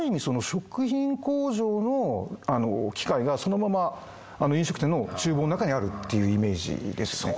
食品工場の機械がそのまま飲食店の厨房の中にあるっていうイメージですね